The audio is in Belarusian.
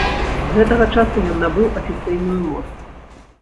З гэтага часу ён набыў афіцыйную моц.